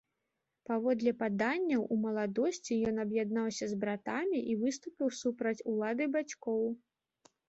Паводле паданняў, у маладосці ён аб'яднаўся с братамі і выступіў супраць улады бацькоў.